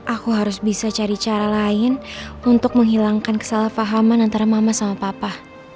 aku harus bisa cari cara lain untuk menghilangkan kesalahpahaman antara mama sama papa